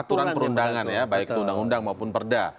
aturan perundangan ya baik itu undang undang maupun perda